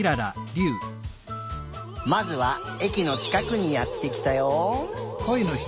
まずはえきのちかくにやってきたよ。